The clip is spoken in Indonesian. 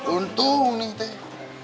untung nih teh